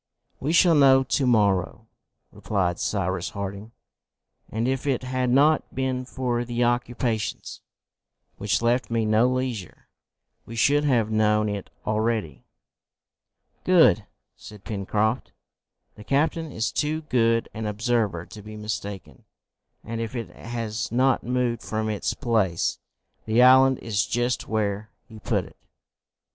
"We shall know to morrow," replied Cyrus Harding, "and if it had not been for the occupations which left me no leisure, we should have known it already." "Good!" said Pencroft. "The captain is too good an observer to be mistaken, and, if it has not moved from its place, the island is just where he put it."